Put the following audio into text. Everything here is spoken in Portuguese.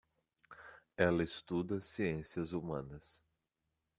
Ela estuda Ciências Humanas.